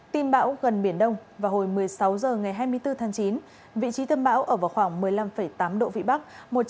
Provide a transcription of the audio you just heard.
tin bão gần biển đông vào hồi một mươi sáu h ngày hai mươi bốn tháng chín vị trí tâm bão ở vào khoảng một mươi năm tám độ vĩ bắc